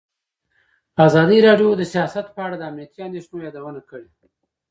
ازادي راډیو د سیاست په اړه د امنیتي اندېښنو یادونه کړې.